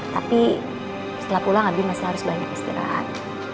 tapi setelah pulang abi masih harus banyak istirahat